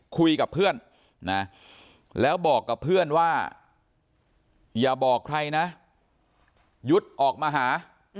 คุยกับเพื่อนนะแล้วบอกกับเพื่อนว่าอย่าบอกใครนะหยุดออกมาหา